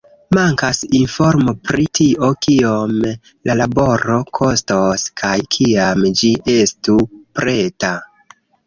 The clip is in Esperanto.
Mankas informo pri tio, kiom la laboro kostos kaj kiam ĝi estu preta.